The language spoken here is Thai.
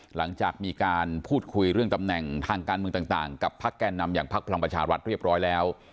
หลังจากมีการพูดคุยเรื่องตำแหน่งทางการเมืองต่างกับพักแก่นำอย่างพักพลังประชารัฐเรียบร้อยแล้ว